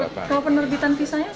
kalau penerbitan visanya